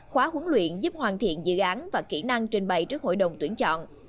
khóa huấn luyện giúp hoàn thiện dự án và kỹ năng trình bày trước hội đồng tuyên trọn